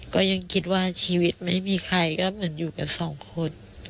ก็ยังคิดว่าชีวิตไม่มีใครก็เหมือนอยู่กันสองคน